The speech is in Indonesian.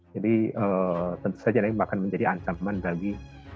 jadi tentu saja ini akan menjadi ancaman bagi